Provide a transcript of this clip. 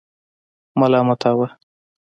ملامتاوه.